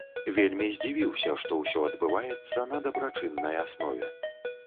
Вельмі здзівіўся, што ўсё адбываецца на дабрачыннай аснове.